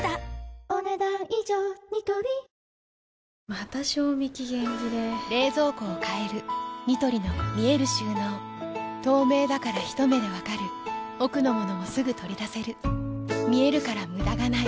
また賞味期限切れ冷蔵庫を変えるニトリの見える収納透明だからひと目で分かる奥の物もすぐ取り出せる見えるから無駄がないよし。